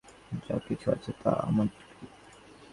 আর আমার মধ্যে কোমলতা প্রভৃতি যা কিছু আছে, তা আমার ত্রুটি।